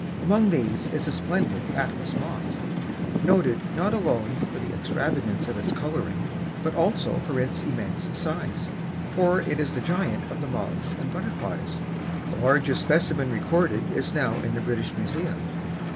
Among these is the splendid Atlas Moth, noted not alone for the extravagance of its coloring, but also for its immense size, for it is the giant of the moths and butterflies. The largest specimen recorded is now in the British Museum.